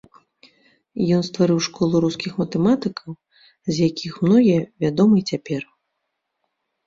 Ён стварыў школу рускіх матэматыкаў, з якіх многія вядомы і цяпер.